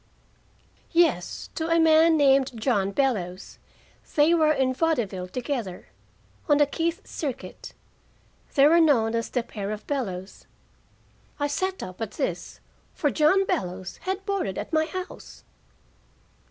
"Yes, to a man named John Bellows. They were in vaudeville together, on the Keith Circuit. They were known as The Pair of Bellows." I sat up at this for John Bellows had boarded at my house.